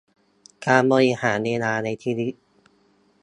การบริหารเวลาในชีวิต